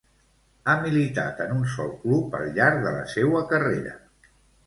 Ha militat en un sol club al llarg de la seua carrera.